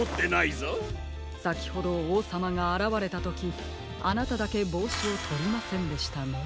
さきほどおうさまがあらわれたときあなただけぼうしをとりませんでしたね。